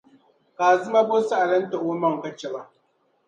Ka Azima bo saɣili n-taɣi o maŋ’ ka chɛ ba.